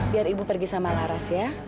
biar ibu pergi sama laras ya